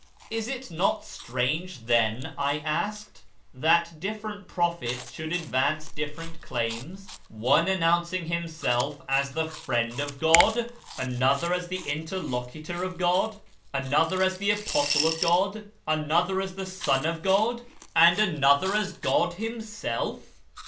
" Is it not strange, then," I asked, " that different prophets should advance different claims, one announcing himself as the ' Friend of God,' another as the ' Interlocutor of God,' another as the ' Apostle of God,' another as the ' Son of God/ and another as God Himself